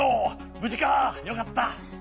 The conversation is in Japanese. ぶじかよかった！